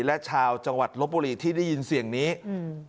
และชาวจังหวัดลบบุรีที่ได้ยินเสียงนี้อืม